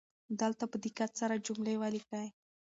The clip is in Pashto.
دلته په دقت سره جملې ولیکئ.